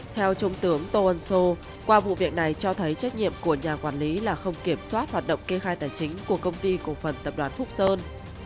theo trung tướng tô ân sô qua vụ việc này cho thấy trách nhiệm của nhà quản lý là không kiểm soát hoạt động kê khai tài chính của công ty cổ phần tập đoàn phúc sơn